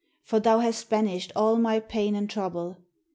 For thou hast banished all my pain and trouble.